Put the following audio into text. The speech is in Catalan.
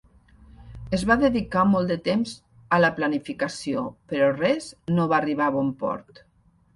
Es va dedicar molt de temps a la planificació, però res no va arribar a bon port.